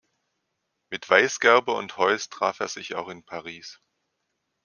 Mit Weisgerber und Heuss traf er sich auch in Paris.